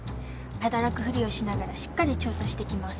働くふりをしながらしっかり調査してきます。